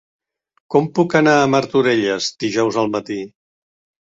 Com puc anar a Martorelles dijous al matí?